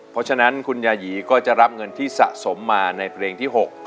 เพราะฉะนั้นคุณยายีก็จะรับเงินที่สะสมมาในเพลงที่๖